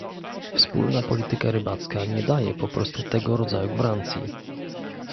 Wspólna polityka rybacka nie daje po prostu tego rodzaju gwarancji